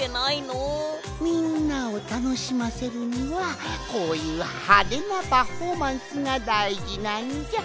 みんなをたのしませるにはこういうハデなパフォーマンスがだいじなんじゃ。